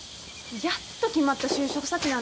やっと決まった就職先なんだよ？